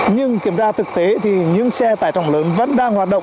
nhưng kiểm tra thực tế thì những xe tải trọng lớn vẫn đang hoạt động